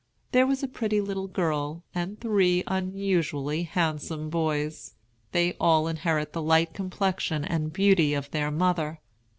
There was a pretty little girl, and three unusually handsome boys. They all inherit the light complexion and beauty of their mother.